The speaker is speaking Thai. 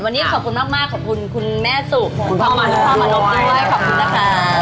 วันนี้ขอบคุณมากขอบคุณคุณแม่สุขขอบคุณพ่อมันและพ่อมันอบด้วยขอบคุณนะคะ